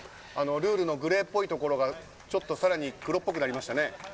ルールのグレーっぽいところがさらに黒っぽくなりましたね。